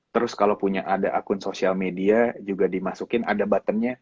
terus kalo punya ada akun sosial media juga dimasukin ada button nya